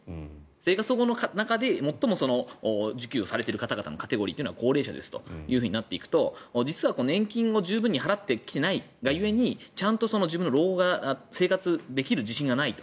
生活保護の中で最も受給をされている方のカテゴリーは高齢者ですとなっていくと実は、年金を十分に払ってきていないが故にちゃんと自分の老後が生活できる自信がないと。